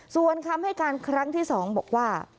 ส่วนคำให้การครั้งที่๒บอกว่า